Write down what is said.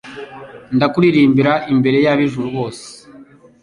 ndakuririmbira imbere y’ab’ijuru bose